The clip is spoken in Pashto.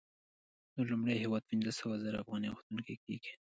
نو لومړی هېواد پنځه سوه زره افغانۍ غوښتونکی کېږي